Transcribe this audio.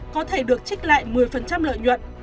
có thể được trích lại một mươi lợi nhuận